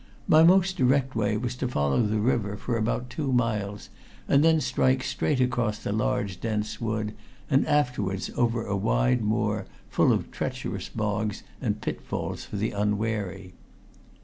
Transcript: My most direct way was to follow the river for about two miles and then strike straight across the large dense wood, and afterwards over a wide moor full of treacherous bogs and pitfalls for the unwary.